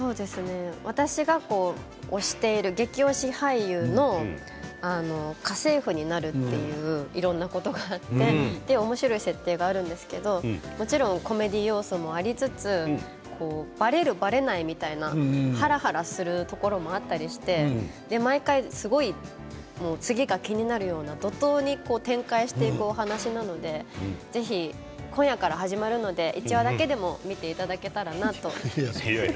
私が推している激推し俳優の家政婦になるといういろんなことがあっておもしろい設定があるんですけどもちろんコメディー要素もありつつばれる、ばれないみたいなはらはらするところもあったりして毎回すごい次が気になるような怒とうに展開していくお話なのでぜひ今夜から始まるので１話だけでも見ていただけたらなと。